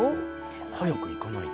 早く行かないと。